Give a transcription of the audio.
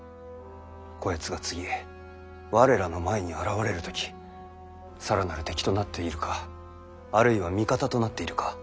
こやつが次我らの前に現れる時更なる敵となっているかあるいは味方となっているか